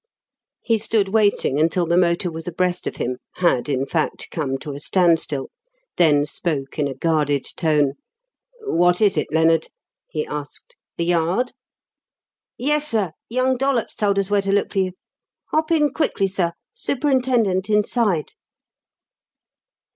He stood waiting until the motor was abreast of him had, in fact, come to a standstill then spoke in a guarded tone: "What is it, Lennard?" he asked. "The Yard?" "Yessir. Young Dollops told us where to look for you. Hop in quickly, sir. Superintendent inside."